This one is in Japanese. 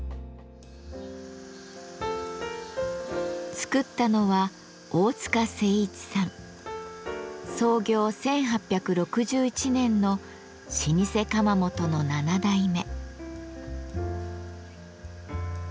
作ったのは創業１８６１年の老舗窯元の７代目。